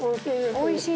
おいしい？